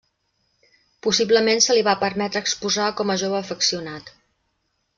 Possiblement se li va permetre exposar com a jove afeccionat.